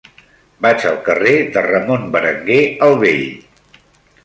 Vaig al carrer de Ramon Berenguer el Vell.